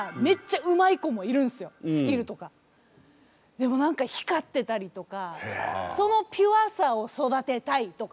でも何か光ってたりとかそのピュアさを育てたいとか。